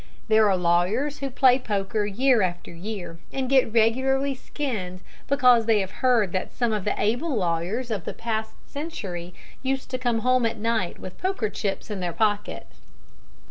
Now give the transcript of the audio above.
There are lawyers who play poker year after year and get regularly skinned because they have heard that some of the able lawyers of the past century used to come home at night with poker chips in their pockets.